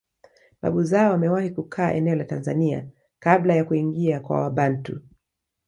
Babu zao wamewahi kukaa eneo la Tanzania kabla ya kuingia kwa Wabantu